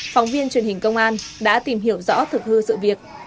phóng viên truyền hình công an đã tìm hiểu rõ thực hư sự việc